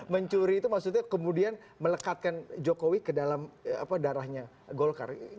mencuri itu maksudnya kemudian melekatkan jokowi ke dalam darahnya golkar